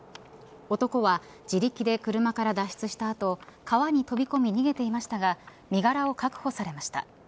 男は自力で車から脱出した後川に飛び込み、逃げていましたが身柄を確保されました。